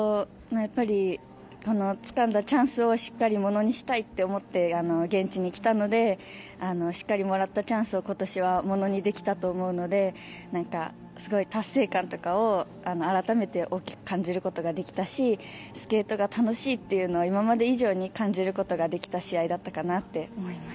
このつかんだチャンスをしっかりものにしたいと思って現地に来たのでしっかりもらったチャンスを今年はものにできたと思うのですごい達成感とかを改めて大きく感じることができたしスケートが楽しいっていうのを今まで以上に感じることができた試合だったかなと思います。